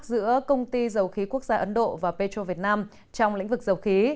giữa công ty dầu khí quốc gia ấn độ và petro việt nam trong lĩnh vực dầu khí